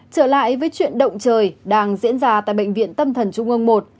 trở lại với chuyện động trời đang diễn ra tại bệnh viện tâm thần trung ương một